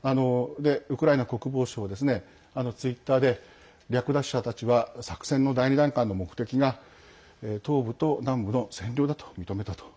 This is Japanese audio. ウクライナ国防省はツイッターで略奪者たちは作戦の第２段階の目的が東部と南部の占領だと認めたと。